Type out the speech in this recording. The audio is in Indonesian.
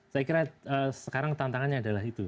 saya kira sekarang tantangannya adalah itu